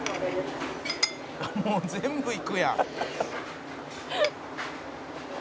「もう全部いくやん」